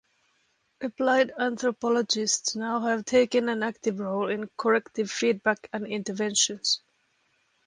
Applied anthropologists now have taken an active role in corrective feedback and interventions.